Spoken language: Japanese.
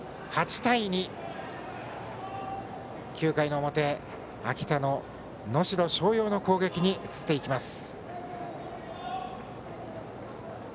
８対２、９回の表秋田の能代松陽の攻撃に移ります。